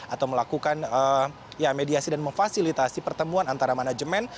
atau melakukan mediasi dan memfasilitasi pertemuan antara manajemen